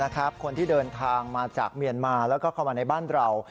คนที่เดินทางมาจากเมียนมาแล้วก็เข้ามาในบ้านเรา